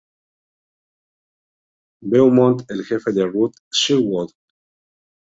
Beaumont, el jefe de Ruth Sherwood.